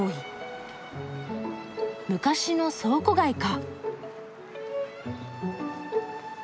昔の倉庫街か。